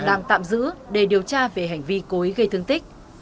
đang tạm giữ để điều tra về hành vi cối gây thương tích